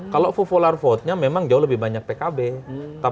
kalau popular vote nya memang jauh lebih banyak pkb